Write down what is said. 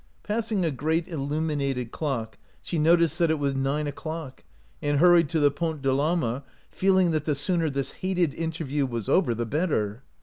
Passing a great illuminated clock, she noticed that it was nine o'clock, and hurried to the Pont de PAlma, feeling that the sooner this hated interview was over the better.